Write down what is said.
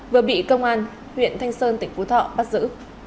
vừa bị công an huyện thanh sơn tỉnh phú thọ bắt giữ